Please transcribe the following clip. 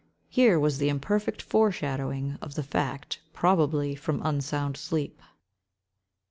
Here was the imperfect foreshadowing of the fact, probably from unsound sleep.